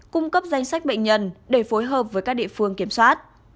cung cấp danh sách bệnh nhân để phối hợp với các địa phương kiểm soát